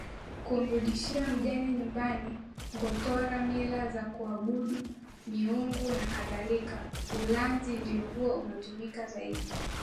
kumrudisha mjane nyumbani Ngotora mila za kuabudu miungu nakadhalika ulanzi ndio huwa unatumika zaidi